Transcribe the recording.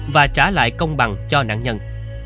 và trả lại công bằng cho nạn nhân